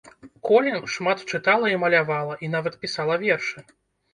Колін шмат чытала і малявала, і нават пісала вершы.